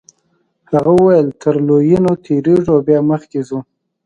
هغه وویل تر لویینو تیریږو او بیا مخکې ځو.